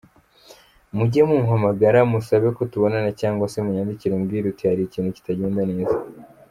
Mujye mumpamagara, musabe ko tubonana cyangwa se munyandikire umbwire uti ‘hari ikintu kitagenda neza’.